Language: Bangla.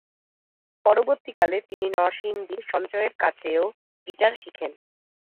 পরবর্তীকালে তিনি নরসিংদীর সঞ্চয়ের কাছেও গিটার শিখেন।